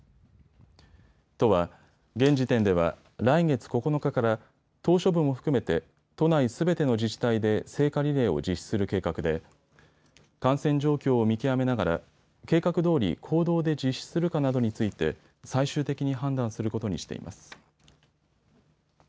都は現時点では来月９日から島しょ部も含めて、都内すべての自治体で聖火リレーを実施する計画で感染状況を見極めながら計画どおり公道で実施するかなどについて最終的に判断することにしています。